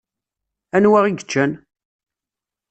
Anwa i yeččan?